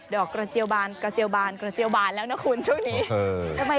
ดอกกระเจียวบานเนี่ยนะคุณช่วงนี้